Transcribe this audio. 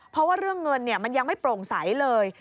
เพราะว่าเรื่องเงินมันยังไม่โปร่งใสเลย